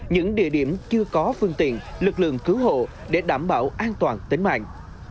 những địa điểm chưa có phương tiện lực lượng cứu hộ để đảm bảo an toàn tính mạng